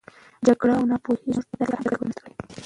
جګړه او ناپوهي زموږ د مطالعې فرهنګ ته ګډوډي رامنځته کړې.